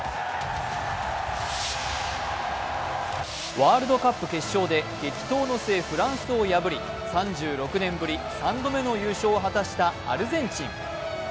ワールドカップ決勝で激闘の末、フランスを破り３６年ぶり３度目の優勝を果たしたアルゼンチン。